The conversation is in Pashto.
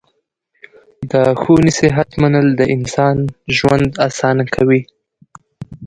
د ښو نصیحت منل د انسان ژوند اسانه کوي.